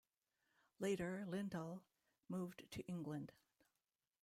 Later Lindhal moved to England.